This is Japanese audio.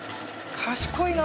賢いな。